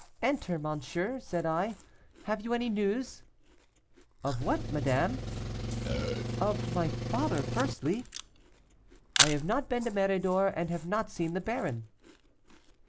'Enter, monsieur,' said I, 'have you any news?' 'Of what, madame?' 'Of my father, firstly?' 'I have not been to Méridor and have not seen the baron.